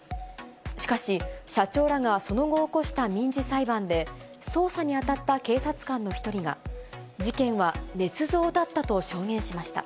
しかし、社長らがその後、起こした民事裁判で、捜査に当たった警察官の一人が、事件はねつ造だったと証言しました。